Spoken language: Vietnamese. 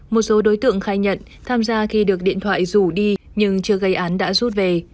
một số đối tượng khai nhận tham gia khi được điện thoại rủ đi nhưng chưa gây án đã rút về